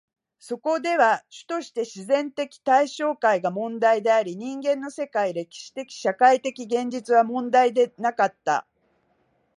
そこでは主として自然的対象界が問題であり、人間の世界、歴史的・社会的現実は問題でなかった。